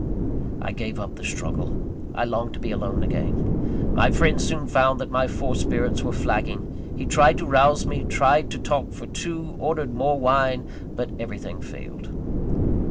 I gave up the struggle. I longed to be alone again. My friend soon found that my forced spirits were flagging; he tried to rouse me, tried to talk for two, ordered more wine, but everything failed.